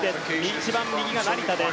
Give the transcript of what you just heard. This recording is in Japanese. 一番右が成田です。